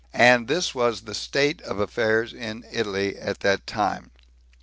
And this was the state of affairs in Italy at that time.